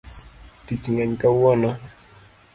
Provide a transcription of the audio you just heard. Tich ng'eny kawuono